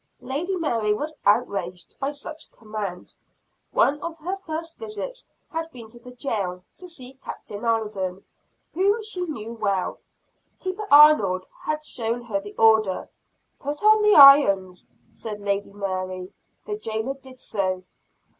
Lady Mary was outraged by such a command. One of her first visits had been to the jail, to see Captain Alden, whom she knew well. Keeper Arnold had shown her the order. "Put on the irons," said Lady Mary. The jailer did so.